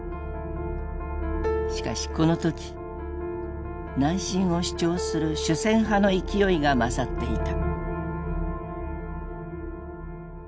しかしこの時南進を主張する主戦派の勢いが勝っていた。